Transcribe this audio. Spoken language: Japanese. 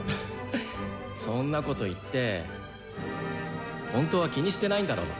そんなこと言って本当は気にしてないんだろ？